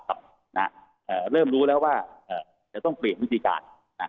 แล้วเริ่มรู้แล้วว่าเดี๋ยวต้องเปลี่ยนวิธีการ